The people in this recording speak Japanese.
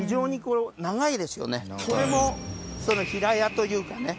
これも平屋というかね